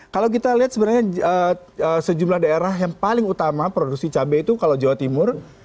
kalau kita lihat sebenarnya sejumlah daerah yang paling utama produksi cabai itu kalau jawa timur